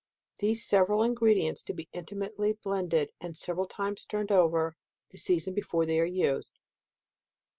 These several ingredients to be intimately blended, and several times turned over, the season be fore they are used.